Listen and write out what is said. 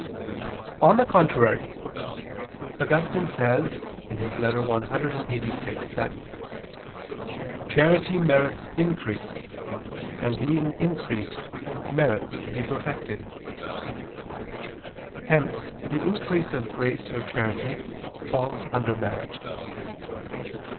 On the contrary, Augustine says (super Ep. Joan.; cf. Ep. clxxxvi) that "charity merits increase, and being increased merits to be perfected." Hence the increase of grace or charity falls under merit.